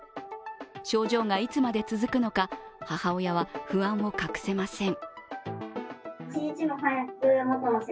症状がいつまで続くのか、母親は不安を隠せません。